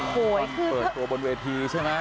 เปิดตัวบนเวทีใช่ไหม